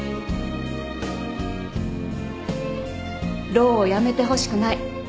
ローを辞めてほしくない。